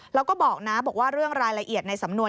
แล้วก็บอกนะบอกว่าเรื่องรายละเอียดในสำนวน